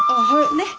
ねっ。